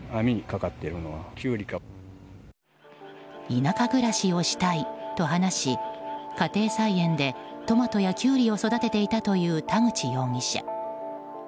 田舎暮らしをしたいと話し家庭菜園でトマトやキュウリを育てていたという田口容疑者。